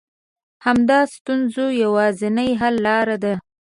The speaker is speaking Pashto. همدا د ستونزو يوازنۍ حل لاره ده.